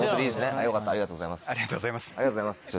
ありがとうございます。